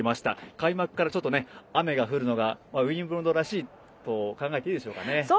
開幕から、ちょっと雨が降るのがウィンブルドンらしいと考えていいでしょうかね？